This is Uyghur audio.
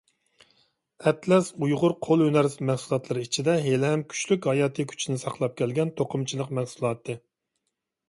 ئەتلەس ئۇيغۇر قول ھۈنەر مەھسۇلاتلىرى ئىچىدە ھېلىھەم كۈچلۈك ھاياتىي كۈچىنى ساقلاپ كەلگەن توقۇمىچىلىق مەھسۇلاتى.